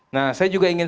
nah saya juga ingin